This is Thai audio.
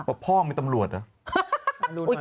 พ่อมีตำรวจเหรอ